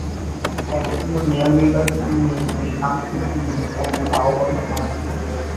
তাই আসন্ন মেয়র নির্বাচন নিয়ে যদি শান্তি-স্থিতি কিছুটা আসে, তা-ও হবে সাময়িক।